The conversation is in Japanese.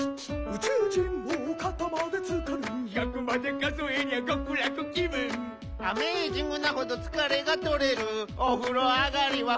「宇宙人も肩までつかる」「１００までかぞえりゃ極楽気分」「アメイジングなほど疲れがとれる」「お風呂あがりは」